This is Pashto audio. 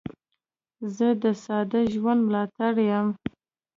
زه د ساده ژوند ملاتړی یم.